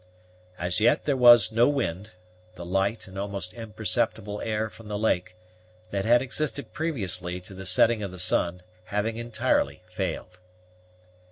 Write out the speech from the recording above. As yet there was no wind, the light and almost imperceptible air from the lake, that had existed previously to the setting of the sun, having entirely failed.